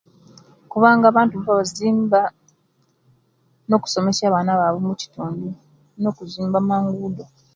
Kubanga abanntu besimba no'kusumesa abaana baabu mukitundu no'kuzimba amangudo